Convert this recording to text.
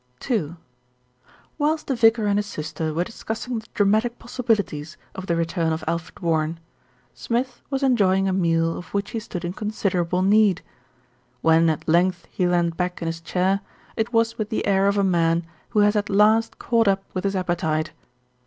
II Whilst the vicar and his sister were discussing the dramatic possibilities of the return of Alfred Warren, Smith was enjoying a meal of which he stood in con siderable need. When at length he leaned back in his chair, it was with the air of a man who has at last caught up with his appetite.